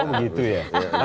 oh begitu ya